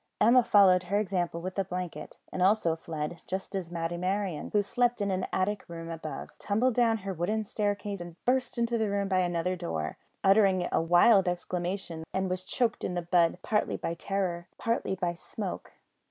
Emma followed her example with a blanket, and also fled, just as Matty Merryon, who slept in an attic room above, tumbled down her wooden staircase and burst into the room by another door, uttering a wild exclamation that was choked in the bud partly by terror, partly by smoke.